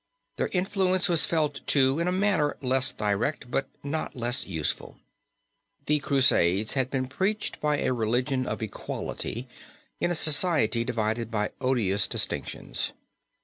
Their influence was felt, too, in a manner less direct, but not less useful. The Crusades had been preached by a religion of equality in a society divided by odious distinctions.